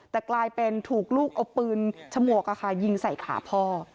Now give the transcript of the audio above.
แต่กลายเป็นถูกลูกเอาปืนฉมวกยิงใส่ขาพ่อ